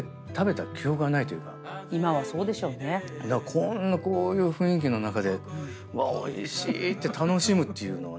こんなこういう雰囲気の中でおいしい！って楽しむっていうのをね